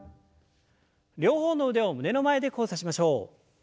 両方の腕を胸の前で交差しましょう。